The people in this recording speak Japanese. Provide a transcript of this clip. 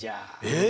え。